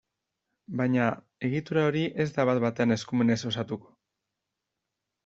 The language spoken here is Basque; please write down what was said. Baina, egitura hori ez da bat-batean eskumenez osatuko.